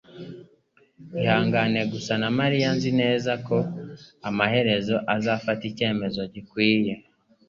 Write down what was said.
Ihangane gusa na mariya Nzi neza ko amaherezo azafata icyemezo gikwiye